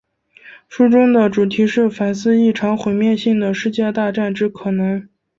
书中的主题是反思一场毁灭性的世界大战之可能。